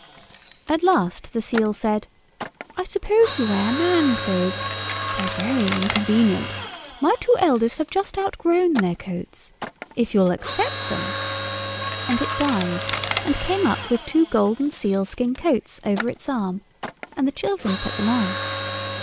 At last the seal said: "I suppose you wear man clothes. They're very inconvenient. My two eldest have just outgrown their coats. If you'll accept them——" And it dived, and came up with two golden sealskin coats over its arm, and the children put them on.